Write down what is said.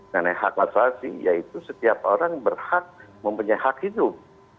karena hak masyarakat yaitu setiap orang berhak mempunyai hak hidup